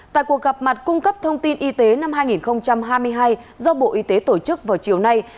tại cuộc gặp mặt cung cấp thông tin y tế năm hai nghìn hai mươi hai do bộ y tế tổ chức vào chiều nay